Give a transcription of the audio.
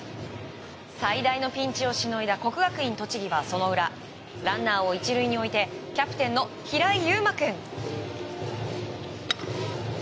最大のピンチをしのいだ国学院栃木はその裏、ランナーを１塁に置いてキャプテンの平井悠馬君。